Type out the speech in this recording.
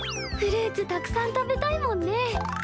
フルーツたくさん食べたいもんね。